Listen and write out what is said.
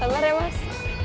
santar ya mas